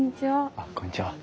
あっこんにちは。